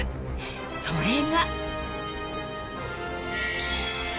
［それが］